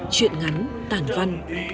chuyện ngắn tảng văn